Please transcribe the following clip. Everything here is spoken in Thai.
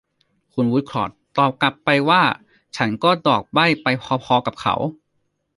คุณวูดคอร์ทตอบกลับไปว่า ฉันก็บอกใบ้ไปพอ ๆ กับเขา